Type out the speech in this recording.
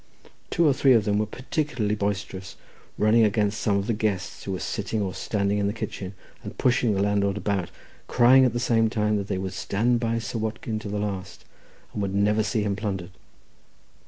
Two or three of them were particularly boisterous, running against some of the guests who were sitting or standing in the kitchen, and pushing the landlord about, crying at the same time that they would stand by Sir Watkin to the last, and would never see him plundered.